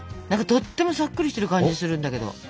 とってもさっくりしてる感じするんだけど。